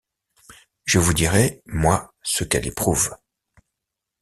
Je vous dirai, moi, ce qu’elle éprouve!